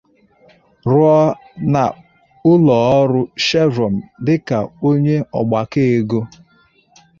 rụọ n'ụlọọrụ Chevron dịka onye ọgbàkọ ego